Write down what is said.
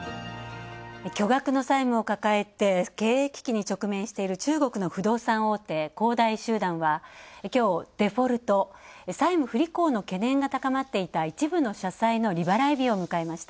巨額の債務を抱えて経営危機に直面している、中国の不動産大手・恒大集団はきょう、デフォルト＝債務不履行の懸念が高まっていた一部の社債の利払い日を迎えました。